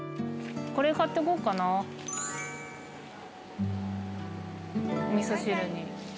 これ買ってこうかな。お味噌汁に。